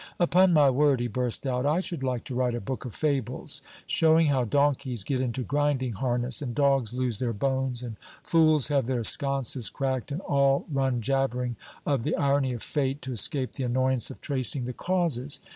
'Upon my word,' he burst out, 'I should like to write a book of Fables, showing how donkeys get into grinding harness, and dogs lose their bones, and fools have their sconces cracked, and all run jabbering of the irony of Fate, to escape the annoyance of tracing the causes.